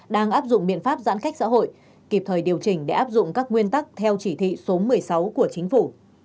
đang áp dụng biện pháp giãn cách xã hội kịp thời điều chỉnh để áp dụng các nguyên tắc theo chỉ thị số một mươi sáu của chính phủ